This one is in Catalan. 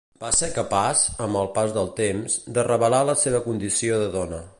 Va ser capaç, amb el pas del temps, de revelar la seva condició de dona.